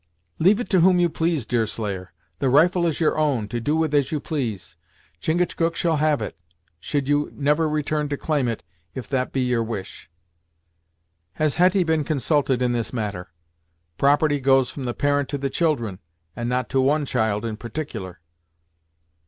"Leave it to whom you please, Deerslayer. The rifle is your own, to do with as you please. Chingachgook shall have it, should you never return to claim it, if that be your wish." "Has Hetty been consulted in this matter? Property goes from the parent to the children, and not to one child, in partic'lar!"